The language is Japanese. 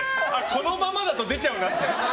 このままだと出ちゃうなって。